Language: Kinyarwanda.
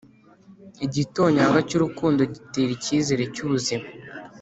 " igitonyanga cy' urukundo gitera icyizere cy' ubuzima".